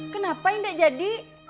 kenapa indah jadi